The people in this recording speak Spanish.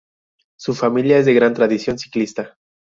Su familia es de gran tradición ciclista.